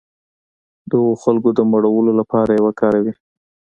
د هغو خلکو د مړولو لپاره یې وکاروي.